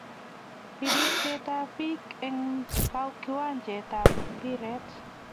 Bereist ab peek en kiwanjet ab mpiret